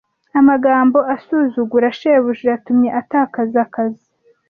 Amagambo asuzugura shebuja yatumye atakaza akazi.